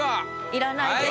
要らないです。